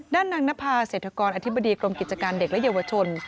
นางนภาเศรษฐกรอธิบดีกรมกิจการเด็กและเยาวชน